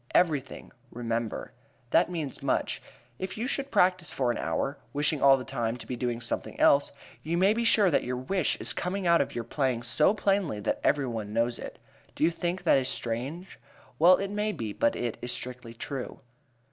Everything, remember. That means much. If you should practise for an hour, wishing all the time to be doing something else, you may be sure that your wish is coming out of your playing so plainly that every one knows it. Do you think that is strange? Well, it may be, but it is strictly true.